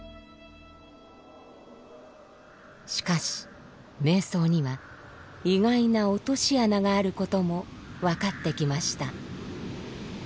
しかし瞑想には意外な落とし穴があることも分かってきました。